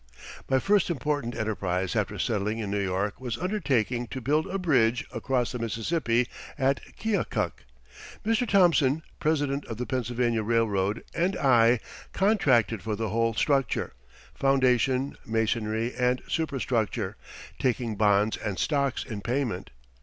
My first important enterprise after settling in New York was undertaking to build a bridge across the Mississippi at Keokuk. Mr. Thomson, president of the Pennsylvania Railroad, and I contracted for the whole structure, foundation, masonry, and superstructure, taking bonds and stocks in payment.